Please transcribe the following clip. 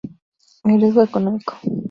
El Riesgo Económico.